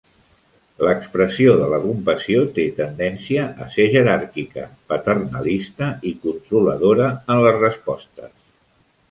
L'expressió de la compassió té tendència a ser jeràrquica, paternalista i controladora en les respostes.